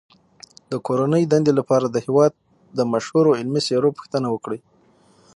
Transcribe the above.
د کورنۍ دندې لپاره د هېواد د مشهورو علمي څیرو پوښتنه وکړئ.